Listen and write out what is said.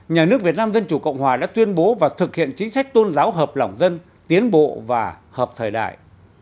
nhà nước việt nam dân chủ cộng hòa đã tuyên bố và thực hiện chính sách tôn giáo hợp lỏng dân tiến bộ và hợp thời đại